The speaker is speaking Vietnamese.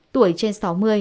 tuổi trên sáu mươi